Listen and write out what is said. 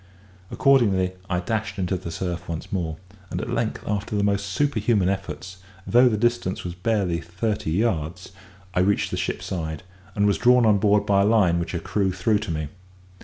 Accordingly I dashed into the surf once more; and at length, after the most superhuman efforts, though the distance was barely thirty yards, I reached the ship's side, and was drawn on board by a line which her crew threw to me.